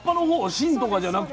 芯とかじゃなくて？